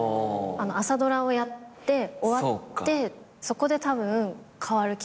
朝ドラをやって終わってそこでたぶん変わる気がしてて。